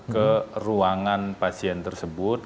ke ruangan pasien tersebut